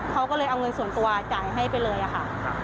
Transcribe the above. เขาก็เลยเอาเงินส่วนตัวจ่ายให้ไปเลยค่ะ